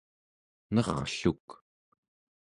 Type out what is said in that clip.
nerrluk